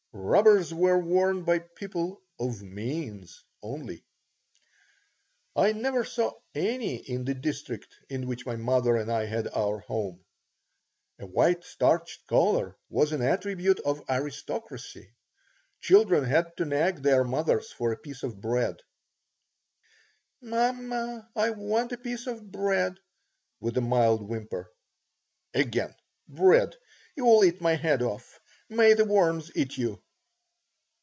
Rubbers were worn by people "of means" only. I never saw any in the district in which my mother and I had our home. A white starched collar was an attribute of "aristocracy." Children had to nag their mothers for a piece of bread "Mamma, I want a piece of bread," with a mild whimper "Again bread! You'll eat my head off. May the worms eat you."